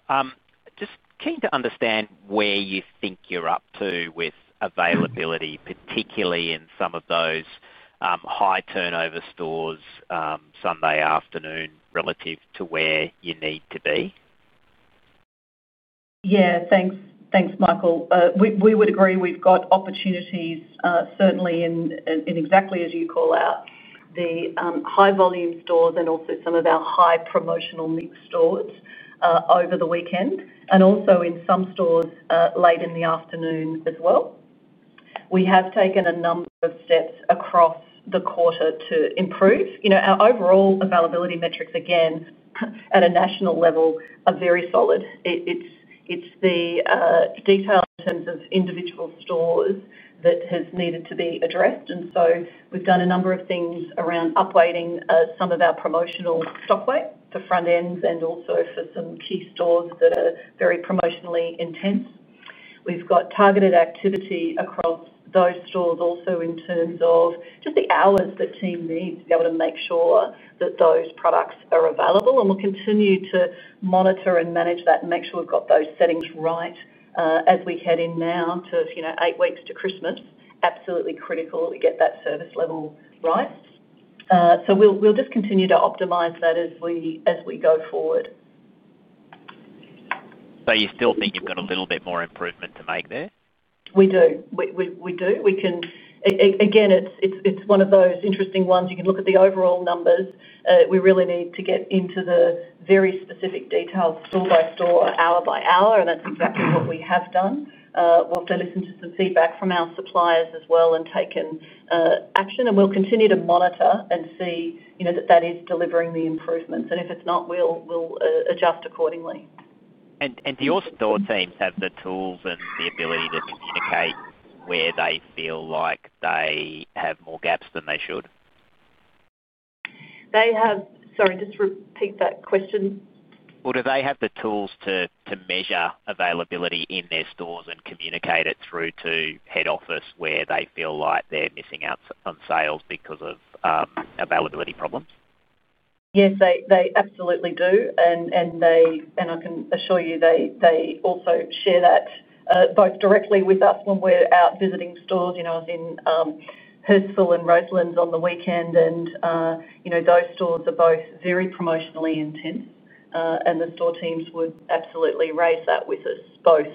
Just keen to understand where you think you're up to with availability, particularly in some of those high turnover stores Sunday afternoon relative to where you need to be. Yeah, thanks, Michael. We would agree we've got opportunities, certainly, in exactly as you call out, the high volume stores and also some of our high promotional mix stores over the weekend and also in some stores late in the afternoon as well. We have taken a number of steps across the quarter to improve. Our overall availability metrics, again, at a national level, are very solid. It's the detail in terms of individual stores that has needed to be addressed. We have done a number of things around upweighting some of our promotional stock weight for front ends and also for some key stores that are very promotionally intense. We've got targeted activity across those stores also in terms of just the hours that team needs to be able to make sure that those products are available. We'll continue to monitor and manage that and make sure we've got those settings right as we head in now to, you know, eight weeks to Christmas. Absolutely critical that we get that service level right. We'll just continue to optimize that as we go forward. Do you still think you've got a little bit more improvement to make there? We do. We can, again, it's one of those interesting ones. You can look at the overall numbers. We really need to get into the very specific details store by store, hour by hour. That's exactly what we have done. We'll have to listen to some feedback from our suppliers as well and take action. We'll continue to monitor and see, you know, that is delivering the improvements. If it's not, we'll adjust accordingly. Do your store teams have the tools and the ability to communicate where they feel like they have more gaps than they should? Sorry, just repeat that question. Do they have the tools to measure availability in their stores and communicate it through to head office where they feel like they're missing out on sales because of availability problems? Yes, they absolutely do. I can assure you they also share that both directly with us when we're out visiting stores. I was in Hurstville and Roselands on the weekend, and those stores are both very promotionally intense. The store teams would absolutely raise that with us both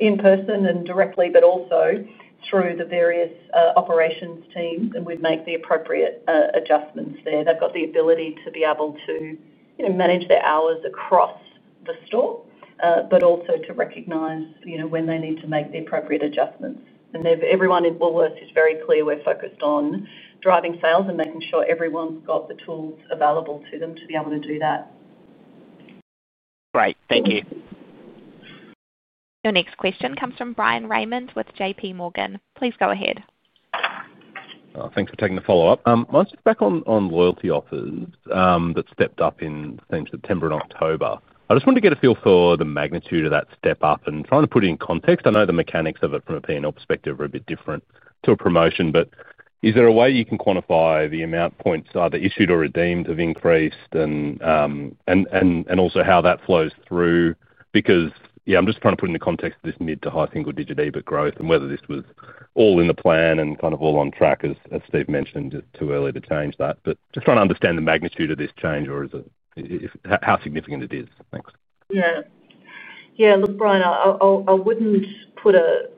in person and directly, also through the various operations teams. We make the appropriate adjustments there. They've got the ability to be able to manage their hours across the store, also to recognize when they need to make the appropriate adjustments. Everyone in Woolworths is very clear we're focused on driving sales and making sure everyone's got the tools available to them to be able to do that. Great. Thank you. Your next question comes from Bryan Raymond with JPMorgan. Please go ahead. Thanks for taking the follow-up. I want to touch back on loyalty offers that stepped up in, I think, September and October. I just wanted to get a feel for the magnitude of that step up and trying to put it in context. I know the mechanics of it from a P&L perspective are a bit different to a promotion, but is there a way you can quantify the amount points either issued or redeemed have increased and also how that flows through? I'm just trying to put it in the context of this mid to high single-digit EBIT growth and whether this was all in the plan and kind of all on track, as Steve mentioned, just too early to change that. I'm just trying to understand the magnitude of this change or is it how significant it is. Thanks. Yeah. Yeah. Look, Bryan, I wouldn't put a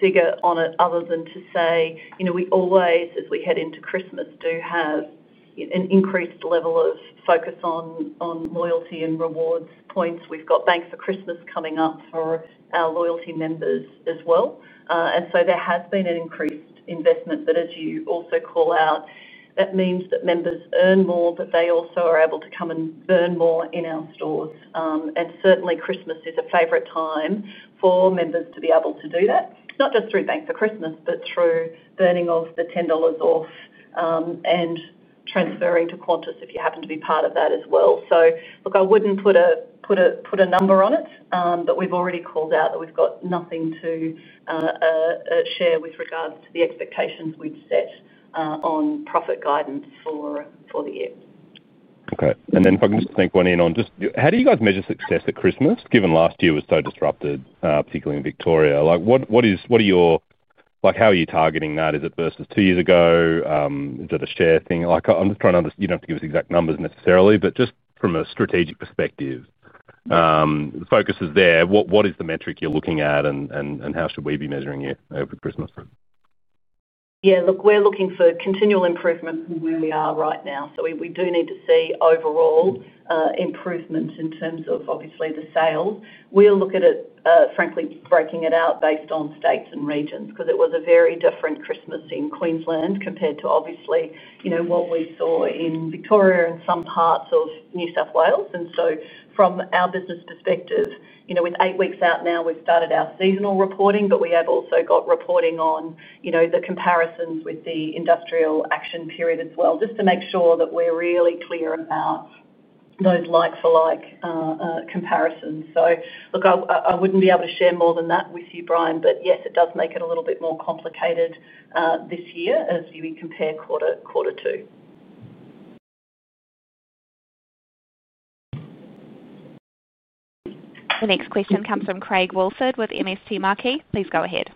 figure on it other than to say, you know, we always, as we head into Christmas, do have an increased level of focus on loyalty and rewards points. We've got Banks for Christmas coming up for our loyalty members as well. There has been an increased investment. As you also call out, that means that members earn more, but they also are able to come and earn more in our stores. Certainly, Christmas is a favorite time for members to be able to do that, not just through Banks for Christmas, but through burning off the $10 off and transferring to Qantas if you happen to be part of that as well. I wouldn't put a number on it, but we've already called out that we've got nothing to share with regards to the expectations we've set on profit guidance for the year. Okay. If I can just sneak one in on, just how do you guys measure success at Christmas, given last year was so disrupted, particularly in Victoria? What are your, like how are you targeting that? Is it versus two years ago? Is it a share thing? I'm just trying to understand, you don't have to give us exact numbers necessarily, but just from a strategic perspective, the focus is there. What is the metric you're looking at and how should we be measuring it over Christmas? Yeah, look, we're looking for continual improvement from where we are right now. We do need to see overall improvement in terms of obviously the sales. We'll look at it, frankly, breaking it out based on states and regions because it was a very different Christmas in Queensland compared to, obviously, what we saw in Victoria and some parts of New South Wales. From our business perspective, with eight weeks out now, we've started our seasonal reporting, but we have also got reporting on the comparisons with the industrial action period as well, just to make sure that we're really clear about those like-for-like comparisons. I wouldn't be able to share more than that with you, Bryan, but yes, it does make it a little bit more complicated this year as we compare quarter to quarter two. The next question comes from Craig Woolford with MST Marquee. Please go ahead.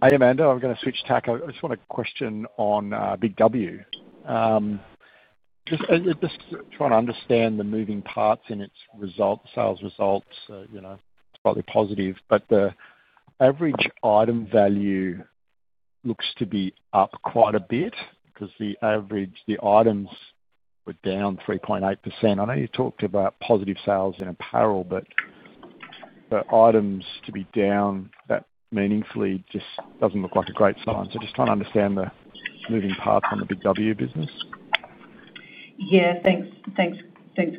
Hi, Amanda. I'm going to switch tack. I just want a question on BIG W. Just trying to understand the moving parts in its results, sales results. You know, it's probably positive, but the average item value looks to be up quite a bit because the average, the items were down 3.8%. I know you talked about positive sales in apparel, but for items to be down that meaningfully just doesn't look like a great sign. Just trying to understand the moving parts on the BIG W business. Yeah, thanks,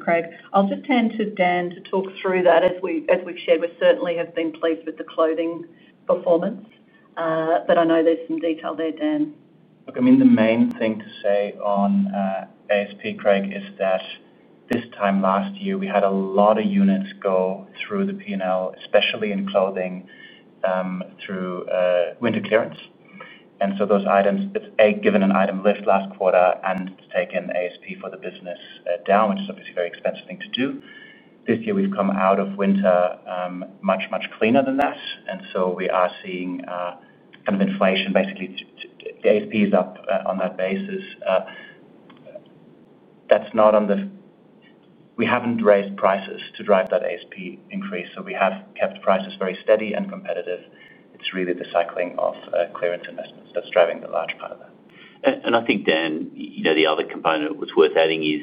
Craig. I'll just turn to Dan to talk through that. As we've shared, we certainly have been pleased with the clothing performance, but I know there's some detail there, Dan. Look, the main thing to say on ASP, Craig, is that this time last year, we had a lot of units go through the P&L, especially in clothing, through winter clearance. Those items, it's A, given an item lift last quarter, and it's taken ASP for the business down, which is obviously a very expensive thing to do. This year, we've come out of winter much, much cleaner than that. We are seeing kind of inflation. Basically, the ASP is up on that basis. That's not on the we haven't raised prices to drive that ASP increase. We have kept prices very steady and competitive. It's really the cycling of clearance investments that's driving a large part of that. I think, Dan, the other component that was worth adding is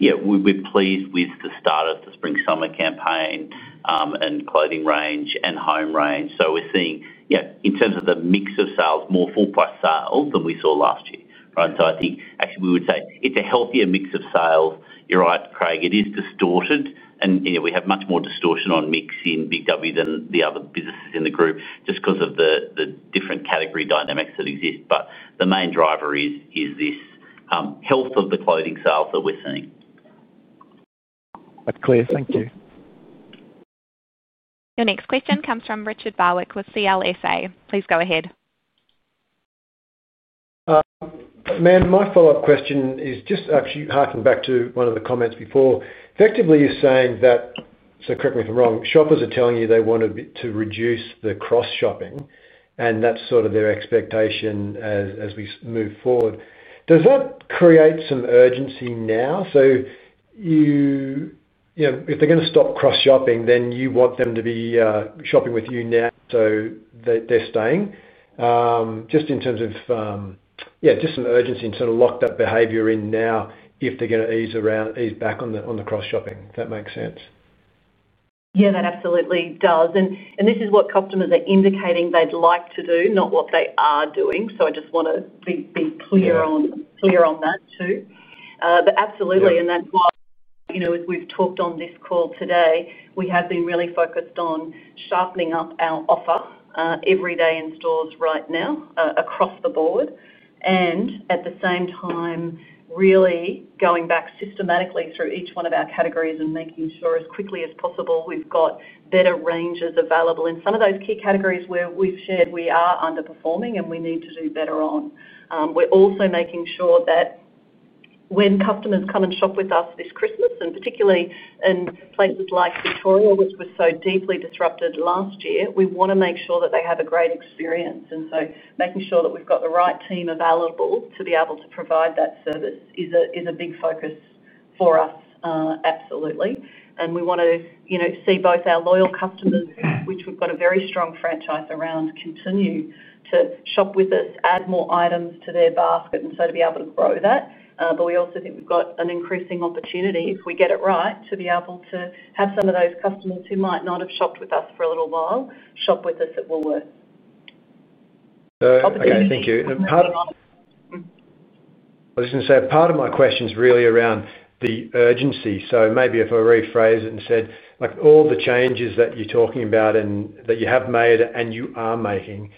we're pleased with the start of the spring-summer campaign and clothing range and home range. We're seeing, in terms of the mix of sales, more full-price sales than we saw last year, right? I think actually we would say it's a healthier mix of sales. You're right, Craig. It is distorted. We have much more distortion on mix in BIG W than the other businesses in the group just because of the different category dynamics that exist. The main driver is this health of the clothing sales that we're seeing. That's clear. Thank you. Your next question comes from Richard Barwick with CLSA. Please go ahead. Ma'am, my follow-up question is just actually harking back to one of the comments before. Effectively, you're saying that, so correct me if I'm wrong, shoppers are telling you they want to reduce the cross-shopping, and that's sort of their expectation as we move forward. Does that create some urgency now? If they're going to stop cross-shopping, then you want them to be shopping with you now so they're staying. Just in terms of, yeah, just some urgency and sort of lock that behavior in now if they're going to ease back on the cross-shopping, if that makes sense. Yeah, that absolutely does. This is what customers are indicating they'd like to do, not what they are doing. I just want to be clear on that too. Absolutely, that's why, as we've talked on this call today, we have been really focused on sharpening up our offer every day in stores right now across the board. At the same time, really going back systematically through each one of our categories and making sure as quickly as possible we've got better ranges available. In some of those key categories where we've shared we are underperforming and we need to do better on, we're also making sure that when customers come and shop with us this Christmas, particularly in places like Victoria, which was so deeply disrupted last year, we want to make sure that they have a great experience. Making sure that we've got the right team available to be able to provide that service is a big focus for us, absolutely. We want to see both our loyal customers, which we've got a very strong franchise around, continue to shop with us, add more items to their basket, and be able to grow that. We also think we've got an increasing opportunity, if we get it right, to be able to have some of those customers who might not have shopped with us for a little while shop with us at Woolworths. Thank you. I was just going to say part of my question is really around the urgency. Maybe if I rephrase it and said, like all the changes that you're talking about and that you have made and you are making,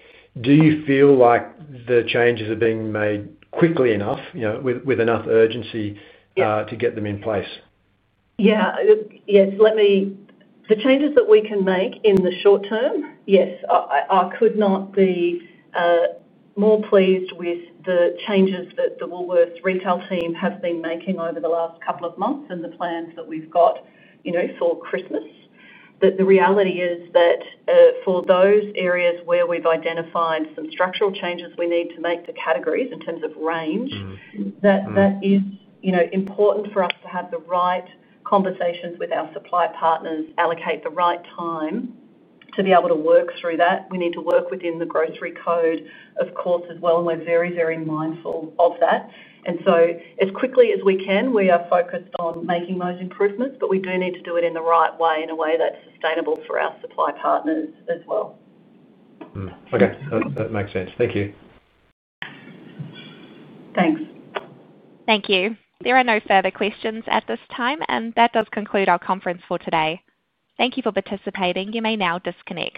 do you feel like the changes are being made quickly enough, you know, with enough urgency to get them in place? Yes. The changes that we can make in the short term, yes. I could not be more pleased with the changes that the Woolworths Retail team has been making over the last couple of months and the plans that we've got for Christmas. The reality is that for those areas where we've identified some structural changes, we need to make the categories in terms of range. That is important for us to have the right conversations with our supply partners, allocate the right time to be able to work through that. We need to work within the grocery code, of course, as well. We are very, very mindful of that. As quickly as we can, we are focused on making those improvements, but we do need to do it in the right way, in a way that's sustainable for our supply partners as well. Okay, that makes sense. Thank you. Thanks. Thank you. There are no further questions at this time, and that does conclude our conference for today. Thank you for participating. You may now disconnect.